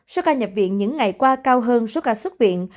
số ca nhập viện những ngày qua cao hơn số ca xuất viện